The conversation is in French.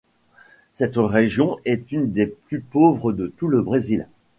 Cette region est une des plus pauvres de tout le Brésil.